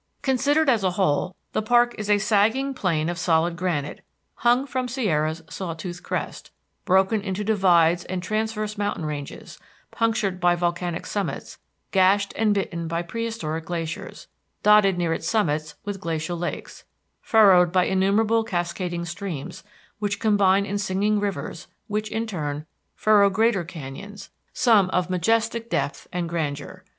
Considered as a whole, the park is a sagging plain of solid granite, hung from Sierra's saw toothed crest, broken into divides and transverse mountain ranges, punctured by volcanic summits, gashed and bitten by prehistoric glaciers, dotted near its summits with glacial lakes, furrowed by innumerable cascading streams which combine in singing rivers, which, in turn, furrow greater canyons, some of majestic depth and grandeur.